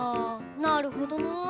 なるほどな。